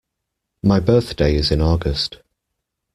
My birthday is in August.